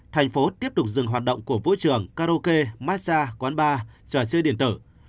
thành phố tiếp tục dừng hoạt động của vũ trường karaoke massage quán bar trò chơi điện tử